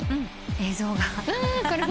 映像が。